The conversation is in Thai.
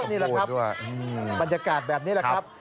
นี่แหละครับบรรยากาศแบบนี้แหละครับ